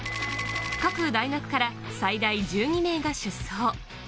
各大学から最大１２名が出走。